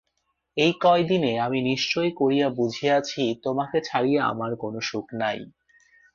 এই কয়দিনে আমি নিশ্চয় করিয়া বুঝিয়াছি, তোমাকে ছাড়িয়া আমার কোনো সুখ নাই।